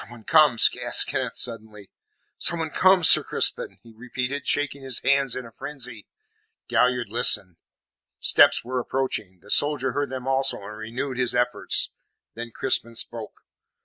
"Someone comes!" gasped Kenneth suddenly. "Someone comes, Sir Crispin!" he repeated, shaking his hands in a frenzy. Galliard listened. Steps were approaching. The soldier heard them also, and renewed his efforts. Then Crispin spoke.